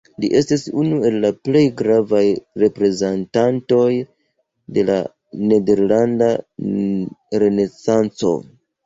Li estas unu el la plej gravaj reprezentantoj de la nederlanda renesanco.